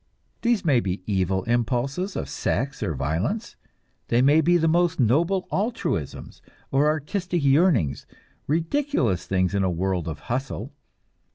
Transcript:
These may be evil impulses, of sex or violence; they may be the most noble altruisms, or artistic yearnings, ridiculous things in a world of "hustle."